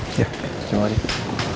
iya terima kasih